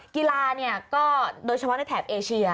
กีฬาเนี่ยก็โดยเฉพาะในแถบเอเชีย